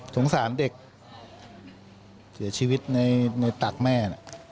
สงสารเด็กเสียชีวิตในตักแม่